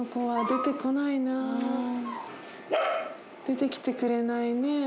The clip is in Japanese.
出て来てくれないねぇ。